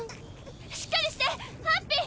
しっかりしてハッピー！